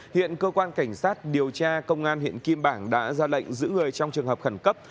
hiện cơ quan cảnh sát điều tra công an huyện kim bảng đã ra lệnh giữ người trong trường hợp khẩn cấp